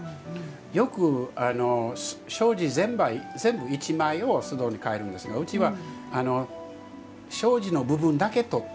よく障子全部一枚を簾戸に替えるんですがうちは障子の部分だけ取って。